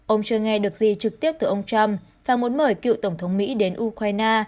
ông chưa nghe được gì trực tiếp từ ông trump và muốn mời cựu tổng thống mỹ đến ukraine